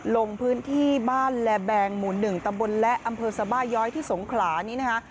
ลงพื้นที่บ้านแลแบงหมู่๑ตำบลและอำเภอสบาย้อยที่สงขลานี้นะคะ